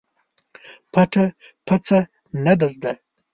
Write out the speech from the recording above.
پټه پڅه نه ده زده.